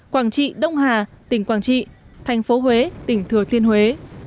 quảng trị đông hà tỉnh quảng trị thành phố huế tỉnh thừa thiên huế